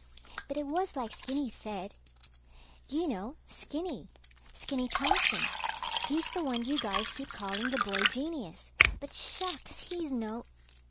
But it was like Skinny said ... You know, Skinny. Skinny Thompson. He's the one you guys keep calling the boy genius, but shucks, he's no